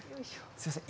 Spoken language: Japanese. すいません